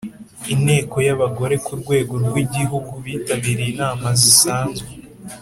Inteko y’Abagore ku Rwego rw’Igihugu bitabiriye inama zisanzwe